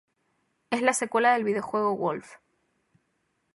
Es la secuela del videojuego "Wolf".